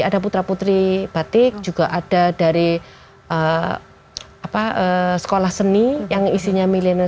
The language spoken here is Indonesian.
ada putra putri batik juga ada dari sekolah seni yang isinya milenial